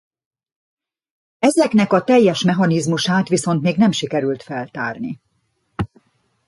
Ezeknek a teljes mechanizmusát viszont még nem sikerült feltárni.